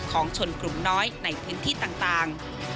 ของชนกลุ่มน้อยในพื้นที่ต่าง